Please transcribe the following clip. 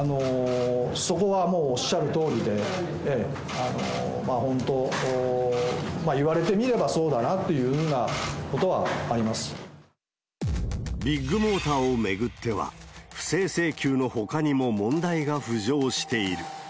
そこはもうおっしゃるとおりで、本当言われてみればそうだなビッグモーターを巡っては、不正請求のほかにも問題が浮上している。